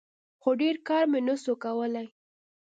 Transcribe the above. خو ډېر کار مې نسو کولاى.